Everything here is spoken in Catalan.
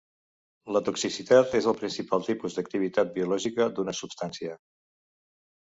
La toxicitat és el principal tipus d'activitat biològica d'una substància.